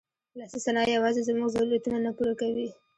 لاسي صنایع یوازې زموږ ضرورتونه نه پوره کوي.